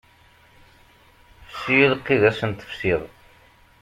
Fsi-yi lqid ad sent-fsiɣ.